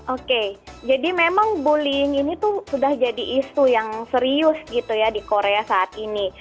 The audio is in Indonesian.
oke jadi memang bullying ini sudah jadi isu yang serius di korea saat ini